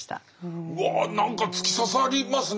うわ何か突き刺さりますね。